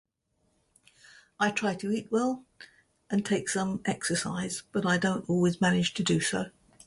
I try to eat well and take some exercise, but I don't always manage to do so.